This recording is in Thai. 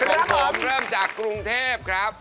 ครับผมครับผมเริ่มจากกรุงเทพครับ